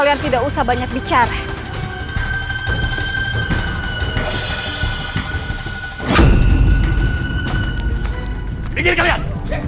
saya sudah sengaja memper fahrenheit untuk menemukan